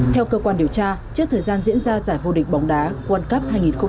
theo cơ quan điều tra trước thời gian diễn ra giải vô địch bóng đá world cup hai nghìn hai mươi ba